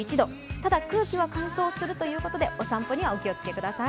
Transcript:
ただ、空気は乾燥するということでお散歩にはお気をつけください。